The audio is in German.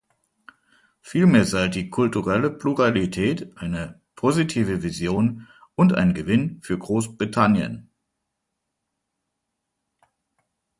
Vielmehr sei die kulturelle Pluralität eine positive Vision und ein Gewinn für Großbritannien.